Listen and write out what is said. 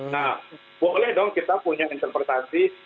nah boleh dong kita punya interpretasi